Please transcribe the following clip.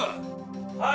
はい！